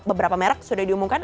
beberapa merek sudah diumumkan